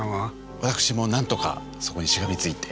私も何とかそこにしがみついて。